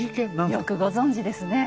よくご存じですね。